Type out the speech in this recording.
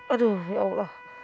aduh ya allah